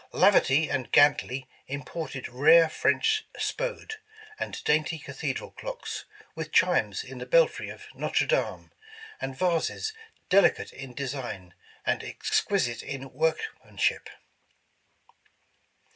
Laverty and Gantley im ported rare French Spode, and dainty cathedral clocks, with chimes in the Belfry of Notre Dame and vases deli cate in design, and exquisite in workmanship.